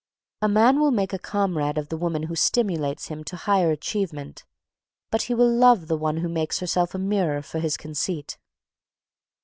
A man will make a comrade of the woman who stimulates him to higher achievement, but he will love the one who makes herself a mirror for his conceit.